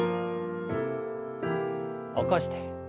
起こして。